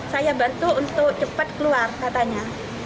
saya bantu untuk cepat keluar katanya